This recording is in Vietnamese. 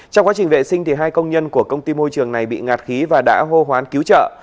trong quá trình vệ sinh hai công nhân của công ty môi trường này bị ngạt khí và đã hô hoán cứu trợ